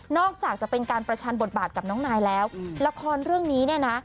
อกจากจะเป็นการประชันบทบาทกับน้องนายแล้วละครเรื่องนี้เนี่ยนะ